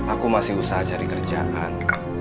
aku masih usaha cari kerjaan